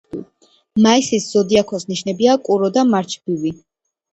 მაისის ზოდიაქოს ნიშნებია კურო და მარჩბივი.